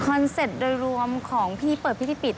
คอนเซ็ปต์โดยรวมของพิธีเปิดพิธีปิด